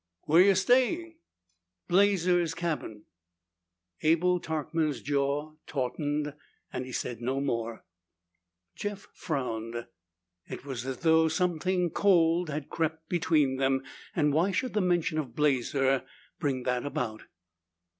"Where you staying?" "Blazer's cabin." Abel Tarkman's jaw tautened and he said no more. Jeff frowned. It was as though something cold had crept between them, and why should the mention of Blazer bring that about?